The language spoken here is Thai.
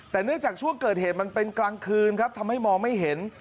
แต่เนื่องจากช่วงเกิดเหตุมันเป็นกลางคืนครับทำให้มองไม่เห็น